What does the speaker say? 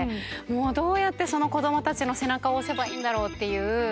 どうやってその子供たちの背中を押せばいいんだろうっていう。